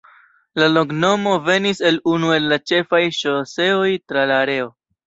La loknomo venis el unu el la ĉefaj ŝoseoj tra la areo.